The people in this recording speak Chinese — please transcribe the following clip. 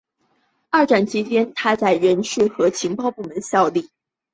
二战期间他在人事和情报部门效力。